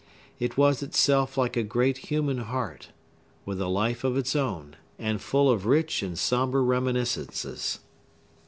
It was itself like a great human heart, with a life of its own, and full of rich and sombre reminiscences.